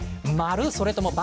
それとも×？